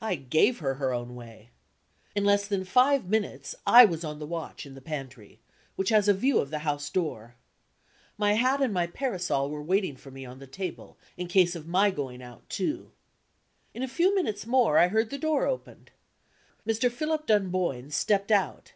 I gave her her own way. In less than five minutes I was on the watch in the pantry, which has a view of the house door. My hat and my parasol were waiting for me on the table, in case of my going out, too. In a few minutes more, I heard the door opened. Mr. Philip Dunboyne stepped out.